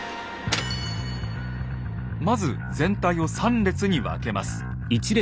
まず全体を３列に分けます。